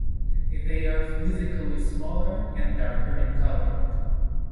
They are physically smaller and darker in color.